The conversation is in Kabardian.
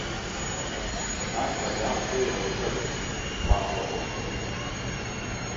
Ар бэлагъкӀэ яущэб, пӀащӀэ хъухукӀэ.